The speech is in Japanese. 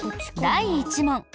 第１問。